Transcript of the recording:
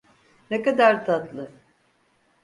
Ne kadar tatlı!